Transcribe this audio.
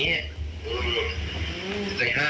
ในข้ามกัน